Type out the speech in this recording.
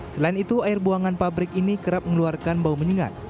selain itu air buangan pabrik ini kerap mengeluarkan bau menyingat